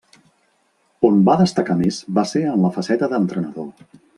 On va destacar més va ser en la faceta d'entrenador.